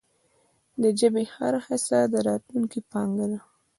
د ژبي هره هڅه د راتلونکې پانګه ده.